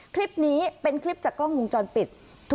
คลิปนี้เป็นคลิปจากกล้องวงจรปิด